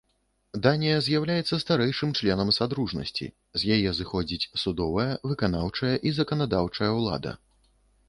Данія з'яўляецца старэйшым членам садружнасці, з яе зыходзіць судовая, выканаўчая і заканадаўчая ўлада.